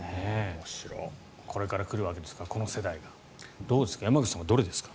これから来るわけですからこの世代がどうですか山口さんはどれですか。